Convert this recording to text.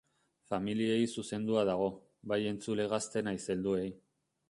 Familiei zuzendua dago, bai entzule gazte nahiz helduei.